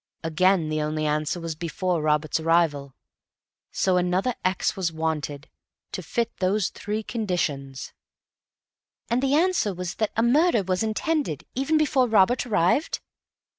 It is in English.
Again, the only answer was 'Before Robert's arrival.' So another x was wanted—to fit those three conditions." "And the answer was that a murder was intended, even before Robert arrived?"